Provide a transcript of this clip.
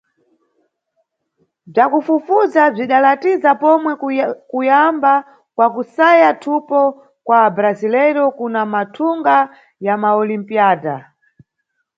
Bzwakufufudza bzwidalatiza pomwe kuwanda kwa kusaya thupo kwa abrasileiro kuna mathunga ya maOlimpíada.